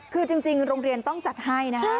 คือจริงโรงเรียนต้องจัดให้นะคะ